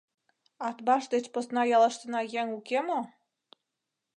— Атбаш деч посна ялыштына еҥ уке мо?